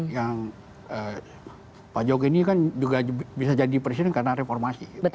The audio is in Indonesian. yang pak jokowi ini kan juga bisa jadi presiden karena reformasi